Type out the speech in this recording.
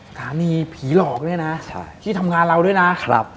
สถานีผีหลอกด้วยนะที่ทำงานเราด้วยนะครับ